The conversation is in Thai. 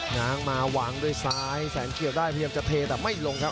ง้างมาวางด้วยซ้ายแสนเขียวได้พยายามจะเทแต่ไม่ลงครับ